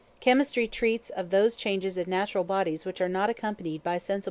Chemistry treats of those changes in natural bodies which are not accompanied by sensible motions.